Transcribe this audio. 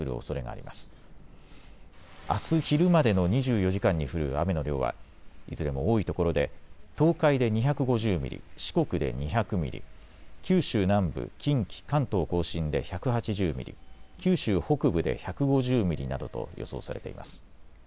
あす昼までの２４時間に降る雨の量はいずれも多いところで東海で２５０ミリ、四国で２００ミリ、九州南部、近畿、関東甲信で１８０ミリ、九州北部で１５０ミリなどと予想されています。